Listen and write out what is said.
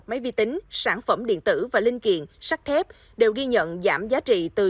máy vi tính sản phẩm điện tử và linh kiện sắt thép đều ghi nhận giảm giá trị từ chín một mươi một